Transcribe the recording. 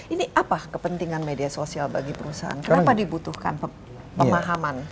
ini apa kepentingan media sosial bagi perusahaan kenapa dibutuhkan pemahaman